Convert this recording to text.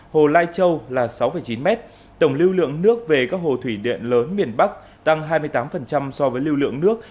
hồ lai châu là sáu chín mét tổng lưu lượng nước về các hồ thủy điện lớn miền bắc tăng hai mươi tám so với lưu lượng nước